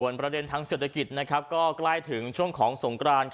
เหมือนประเด็นในเศรษฐกิจกล้ายถึงช่วงของสงกราน